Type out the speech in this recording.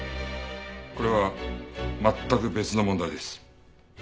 これは全く別の問題です。